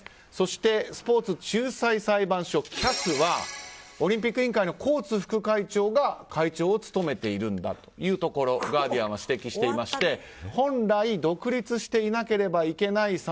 そしてスポーツ仲裁裁判所・ＣＡＳはオリンピック委員会のコーツ副委員長が会長を務めているんだというところをガーディアンは指摘していまして本来独立していなければいけない